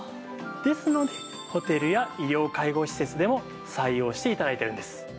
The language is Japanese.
ですのでホテルや医療介護施設でも採用して頂いているんです。